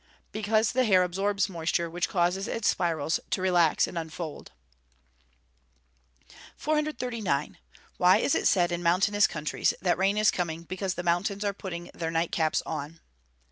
_ Because the hair absorbs moisture, which causes its spirals to relax and unfold. 439. _Why is it said in mountainous countries that rain is coming, because the mountains are "putting their night caps on?"